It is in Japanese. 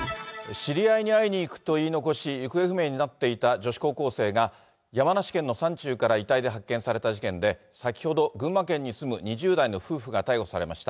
知り合いに会いに行くと言い残し、行方不明になっていた女子高校生が、山梨県の山中から遺体で発見された事件で、先ほど、群馬県に住む２０代の夫婦が逮捕されました。